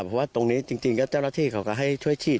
เพราะว่าตรงนี้จริงก็เจ้าหน้าที่เขาก็ให้ช่วยฉีด